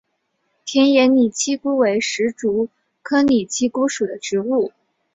田野拟漆姑为石竹科拟漆姑属的植物。